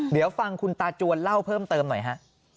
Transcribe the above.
เดี๋ยวฟังคุณตาจวนเล่าเพิ่มเติมหน่อยฮะ